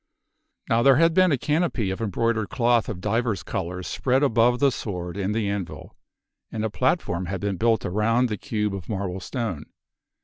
Now there had been a canopy of embroidered cloth of divers colors spread above the sword and the anvil, and a platform had been built around about the cube of marble stone.